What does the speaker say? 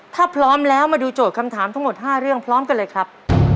ถ้าพร้อมแล้วมาดูโจทย์คำถามทั้งหมด๕เรื่องพร้อมกันเลยครับ